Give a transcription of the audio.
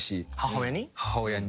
母親に？